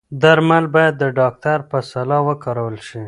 درمل باید د ډاکتر په سلا وکارول شي.